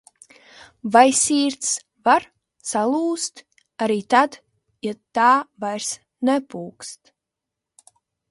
Vai sirds var salūzt arī tad, ja tā vairs nepukst?